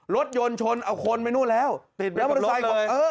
รถยนต์ชนเอาคนไปนู่นแล้วติดไปกับรถไซค์เลยเออ